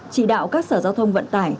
chỉ đạo các sở giao thông vận tải